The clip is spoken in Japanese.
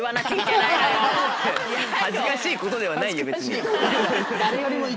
恥ずかしいことではないよ別に。